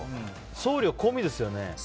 送料込みですよね。